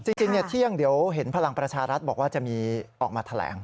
จริงเที่ยงเดี๋ยวเห็นพลังประชารัฐบอกว่าจะมีออกมาแถลง